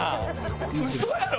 嘘やろ？